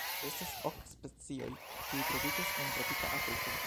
Estas ok specioj kiuj troviĝas en tropika Afriko.